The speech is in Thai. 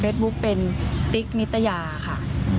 บุ๊คเป็นติ๊กนิตยาค่ะ